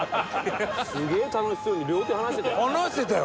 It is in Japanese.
すげえ楽しそうに両手離してたよ。